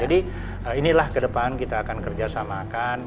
jadi inilah kedepan kita akan kerjasamakan